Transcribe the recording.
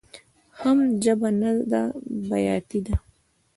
حم ژبه نده بياتي ده.